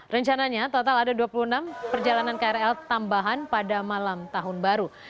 rencananya total ada dua puluh enam perjalanan krl tambahan pada malam tahun baru